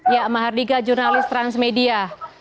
ya mahardika jurnalis transmedia